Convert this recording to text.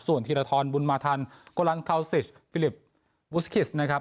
ส่วนธีรทรบุญมาทันโกลังทาวซิสฟิลิปบุสคิสนะครับ